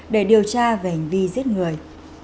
để điều tra về hành vi giết người